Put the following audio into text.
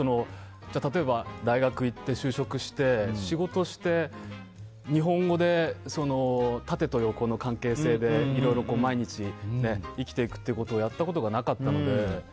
例えば大学に行って、就職して仕事して日本語で縦と横の関係性でいろいろ毎日生きていくことをやったことがなかったので。